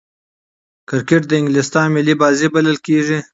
کرکټ د انګلستان ملي بازي بلل کیږي.